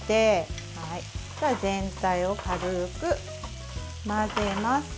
そしたら全体を軽く混ぜます。